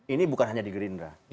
ini bukan hanya di gerindra